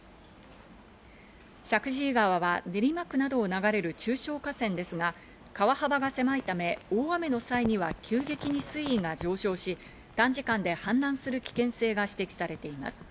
石神井川は練馬区などを流れる中小河川ですが、川幅が狭いため、大雨の際には急激に水位が上昇し、短時間で氾濫する危険性が指摘されています。